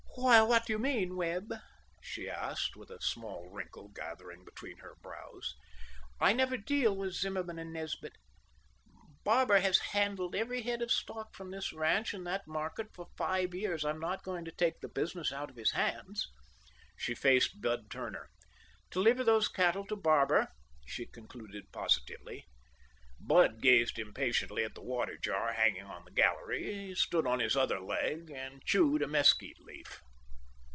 "Why, what do you mean, Webb?" she asked, with a small wrinkle gathering between her brows. "I never deal with Zimmerman and Nesbit. Barber has handled every head of stock from this ranch in that market for five years. I'm not going to take the business out of his hands." She faced Bud Turner. "Deliver those cattle to Barber," she concluded positively. Bud gazed impartially at the water jar hanging on the gallery, stood on his other leg, and chewed a mesquite leaf.